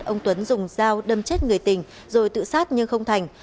ông tuấn dùng dao đâm chết người tình rồi tự sát nhưng không thành